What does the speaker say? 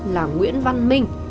là nguyễn văn minh